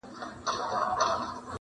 یو کیسې کوي د مړو بل د غم په ټال زنګیږي،